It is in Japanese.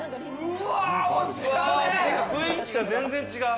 雰囲気が全然違う。